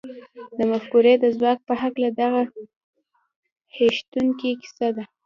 د مفکورې د ځواک په هکله دغه هیښوونکې کیسه ده